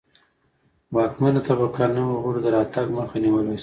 واکمنه طبقه نویو غړو د راتګ مخه نیولای شوه